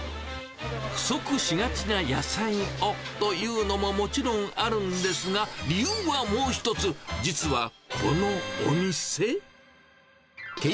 不足しがちな野菜をというのはもちろんあるんですが、理由はもう一つ、実はこのお店。